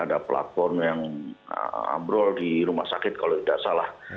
ada platform yang ambrol di rumah sakit kalau tidak salah